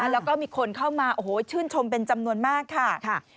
แล้วก็มีคนเข้ามาโอ้โหชื่นชมเป็นจำนวนมากค่ะ